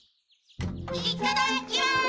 いただきます！